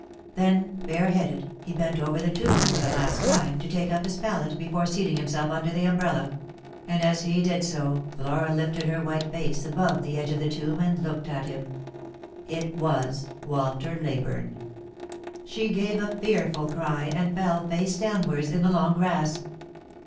Then, bareheaded, he bent over the tomb for the last time, to take up his pallet before seating himself under the umbrella ; and as he did so Flora lifted her white face above the edge of the tomb and looked at him. It was Walter Leyburne. She gave a fearful cry, and fell face downwards in the long grass.